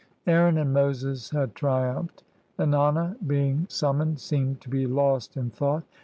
Aaron and Moses had triumphed; Ennana, being summoned, seemed to be lost in thought.